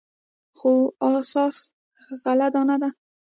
خو اساس غله دانه ده.